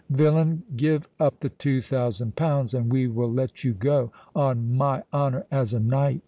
"Villain—give up the two thousand pounds, and we will let you go—on my honour as a knight!"